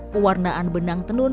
pewarnaan benang tenun